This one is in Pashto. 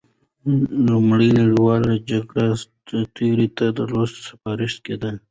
لومړۍ نړیواله جګړه سرتېرو ته د لوستلو سپارښتنه کېده.